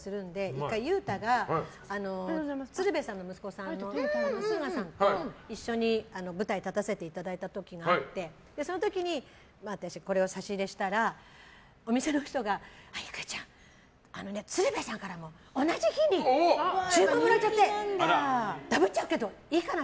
１回、裕太が鶴瓶さんの息子さんの駿河さんと一緒に舞台立たせていただいた時があってその時にこれを差し入れしていただいたらお店の人が郁恵ちゃん、鶴瓶さんからも同じ日に注文もらっちゃってダブっちゃうけどいいかな？